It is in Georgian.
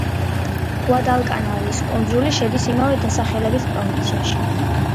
გუადალკანალის კუნძული შედის იმავე დასახელების პროვინციაში.